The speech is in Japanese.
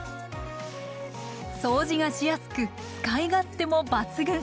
掃除がしやすく使い勝手も抜群。